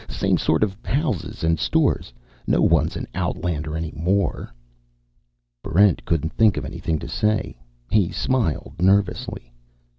Same sort of houses and stores. No one's an outlander any more." Barrent couldn't think of anything to say. He smiled nervously.